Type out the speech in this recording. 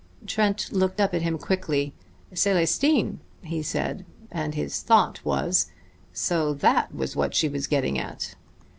Trent looked up at him quickly. "Célestine!" he said; and his thought was: "So that was what she was getting at!"